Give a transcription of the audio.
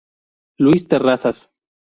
Luis Terrazas.